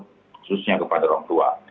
khususnya kepada orang tua